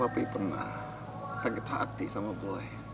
papi pernah sakit hati sama boy